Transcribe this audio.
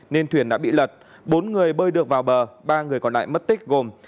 nên thuyền đã bị lật bốn người bơi được vào bờ ba người còn lại mất tích gồm